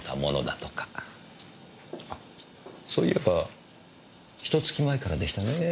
そういえばひと月前からでしたねえ。